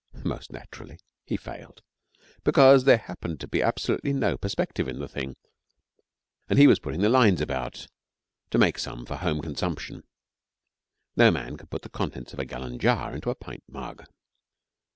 Most naturally he failed, because there happened to be absolutely no perspective in the thing, and he was pulling the lines about to make some for home consumption. No man can put the contents of a gallon jar into a pint mug.